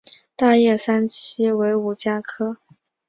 大叶三七为五加科人参属假人参的变种。